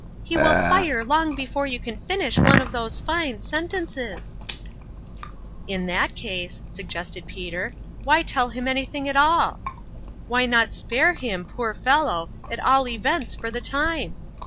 " He will fire long before you can finish one of those fine sentences !"" In that case," suggested Peter, " why tell him anything at all? Why not spare him, poor fellow, at all events for the time?